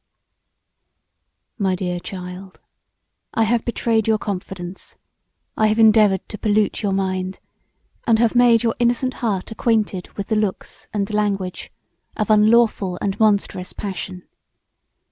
"My dear Child "I have betrayed your confidence; I have endeavoured to pollute your mind, and have made your innocent heart acquainted with the looks and language of unlawful and monstrous passion.